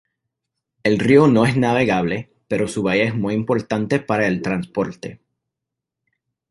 El río no es navegable, pero su valle es muy importante para el transporte.